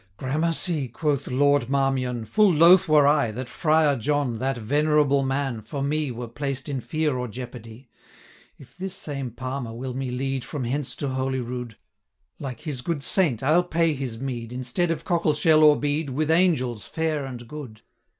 'Gramercy!' quoth Lord Marmion, 'Full loth were I, that Friar John, That venerable man, for me, Were placed in fear or jeopardy. If this same Palmer will me lead 425 From hence to Holy Rood, Like his good saint, I'll pay his meed, Instead of cockle shell, or bead, With angels fair and good.